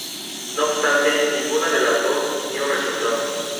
No obstante, ninguna de las dos dio resultado.